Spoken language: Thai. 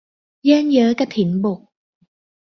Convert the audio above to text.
เยิ่นเย้อกฐินบก